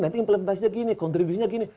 nanti implementasinya gini kontribusinya gini